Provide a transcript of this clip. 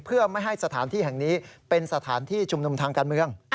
เพื่อไม่ให้สถานที่แห่งนี้เป็นสถานที่ชุมนุมทางการเมือง